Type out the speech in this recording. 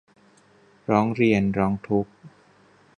ร้องเรียน ร้องทุกข์